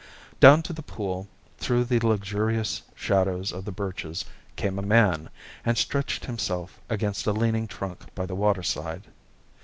Down to the pool, through the luxurious shadows of the birches, came a man, and stretched himself against a leaning trunk by the waterside.